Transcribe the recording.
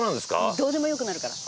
どうでもよくなるから。